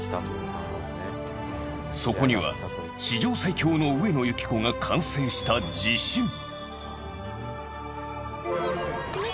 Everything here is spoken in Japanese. そこには、史上最強の上野由岐子が完成した自信。